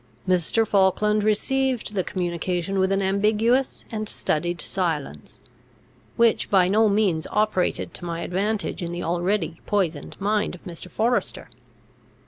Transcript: Mr. Falkland received the communication with an ambiguous and studied silence, which by no means operated to my advantage in the already poisoned mind of Mr. Forester.